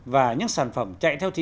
và những sản phẩm chạy theo thị